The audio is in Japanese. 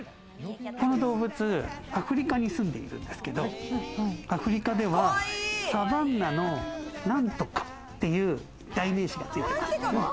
この動物、アフリカに住んでいるんですけど、アフリカでは、サバンナの何とかっていう代名詞がついています。